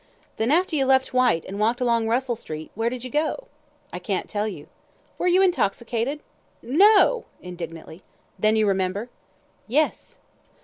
"Then, after you left Whyte, and walked along Russell Street, where did you go?" "I can't tell you." "Were you intoxicated?" "No!" indignantly "Then you remember?" "Yes."